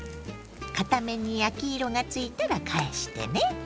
片面に焼き色がついたら返してね。